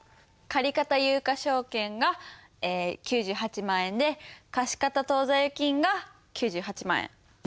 借方有価証券が９８万円で貸方当座預金が９８万円。